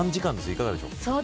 いかがでしょう。